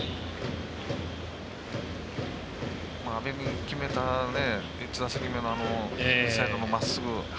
阿部に決めた、１打席目のインサイドのまっすぐ。